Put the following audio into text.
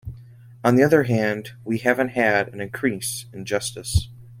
On the other hand, we haven't had an increase in justice.